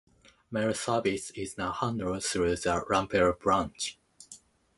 Mail service is now handled through the Rempel branch.